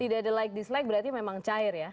tidak ada like dislike berarti memang cair ya